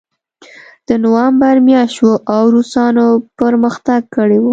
د نومبر میاشت وه او روسانو پرمختګ کړی و